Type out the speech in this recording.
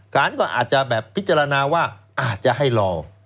การก็อาจจะแบบพิจารณาว่าอาจจะให้รอ